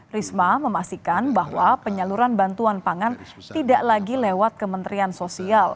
risma memastikan bahwa penyaluran bantuan pangan tidak lagi lewat kementerian sosial